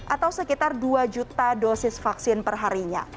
atau sekitar dua juta dosis vaksin per harinya